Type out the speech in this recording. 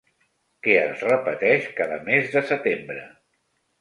Que es repeteix cada mes de setembre.